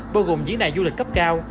bộ gồm diễn đàn du lịch cấp cao